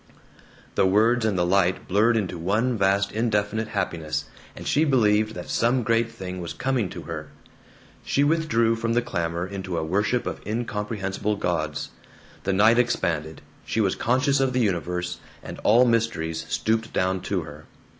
The words and the light blurred into one vast indefinite happiness, and she believed that some great thing was coming to her. She withdrew from the clamor into a worship of incomprehensible gods. The night expanded, she was conscious of the universe, and all mysteries stooped down to her.